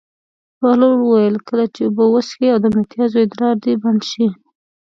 بهلول وویل: کله چې اوبه وڅښې او د متیازو ادرار دې بند شي.